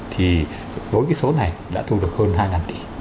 thì đối với số này đã thu được hơn hai tỷ